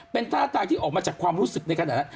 เป็นท่าทางที่ออกมาจากความรู้สึกในขณะนั้น